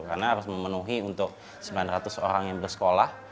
karena harus memenuhi untuk sembilan ratus orang yang bersekolah